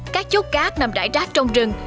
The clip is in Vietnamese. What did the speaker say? các chốt cát nằm đải rác trong rừng